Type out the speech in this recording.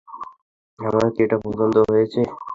আমার কি এটা পছন্দ হয়েছে?